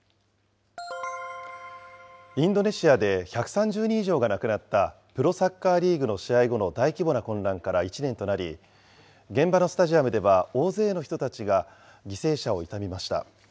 インドネシアで１３０人以上が亡くなった、プロサッカーリーグの試合後の大規模な混乱から１年となり、現場のスタジアムでは大勢の人たちが犠牲者を悼みました。